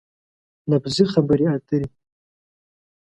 لفظي خبرې اترې